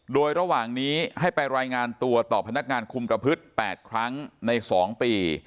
โดยระหว่างนี้ให้ไปรายงานตัวต่อพนักงานคุมประพฤติ๘ครั้งใน๒ปี